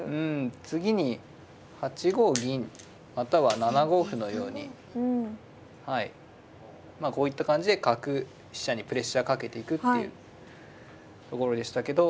次に８五銀または７五歩のようにまあこういった感じで角飛車にプレッシャーかけていくっていうところでしたけど